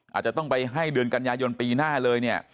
อาจจะต้องไปให้เดือนกันยายนปีหน้าเลยเนี่ย